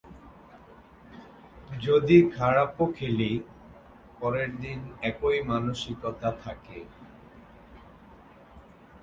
যদি খারাপও খেলি, পরের দিন একই মানসিকতা থাকে।